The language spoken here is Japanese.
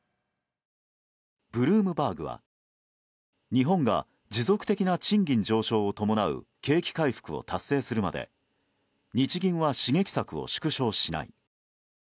ブルームバーグは日本が持続的な賃金上昇を伴う景気回復を達成するまで日銀は刺激策を縮小しない。